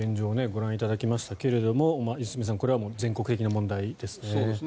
ご覧いただきましたが良純さん、これは全国的な問題ですね。